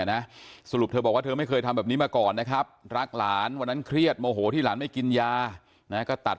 แต่ว่าเขาเอาหนูหนักไปประจานทุกสิ่งทุกอย่างเลยตั้งนี้